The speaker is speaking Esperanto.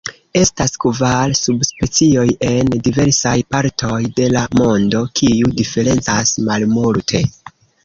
Estas kvar subspecioj en diversaj partoj de la mondo, kiu diferencas malmulte.